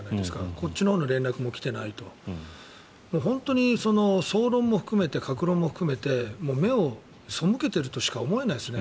こっちのほうの連絡も来ていないと、総論も含めて各論も含めて目を背けているとしか思えないですね。